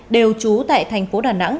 đều trú tại tp đà nẵng